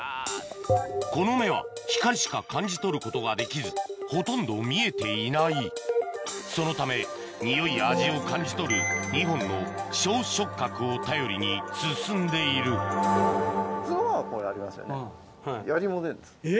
この目は光しか感じ取ることができずほとんど見えていないそのため匂いや味を感じ取る２本の小触角を頼りに進んでいるツノはここにありますよね。